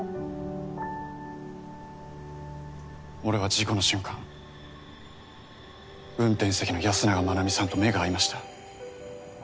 俺は事故の瞬間運転席の安永真奈美さんと目が合いました。